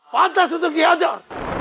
pantas untuk diajur